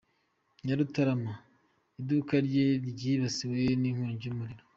Nyarutarama : Iduka rye ryibasiwe n’inkongi y’umuriro .